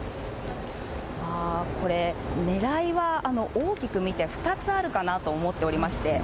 これ、ねらいは大きく見て２つあるかなと思っておりまして。